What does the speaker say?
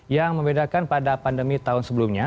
yang membedakan pada pandemi tahun sebelumnya